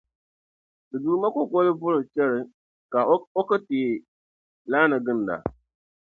Ti Duuma kukoli vuri chɛri ka oki tihi laani ginda.